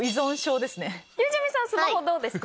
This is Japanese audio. ゆうちゃみさんどうですか？